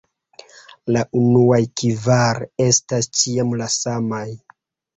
La unuaj kvar estas ĉiam la samaj.